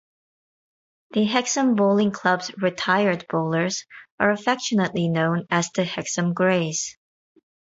The Hexham Bowling Club's "retired" bowlers are affectionately known as the "Hexham Grey's".